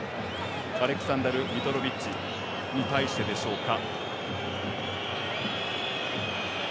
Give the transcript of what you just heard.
アレクサンダル・ミトロビッチに対してでしょうか。